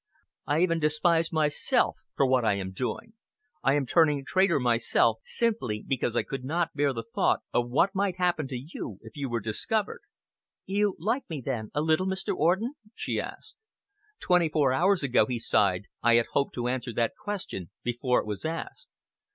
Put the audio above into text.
"I even despise myself for what I am doing. I am turning traitor myself, simply because I could not bear the thought of what might happen to you if you were discovered." "You like me, then, a little, Mr. Orden?" she asked. "Twenty four hours ago," he sighed, "I had hoped to answer that question before it was asked."